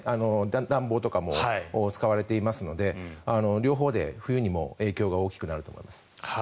暖房とかも使われていますので両方で冬にも影響が大きくなると思います。